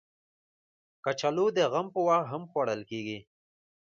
کچالو د غم په وخت هم خوړل کېږي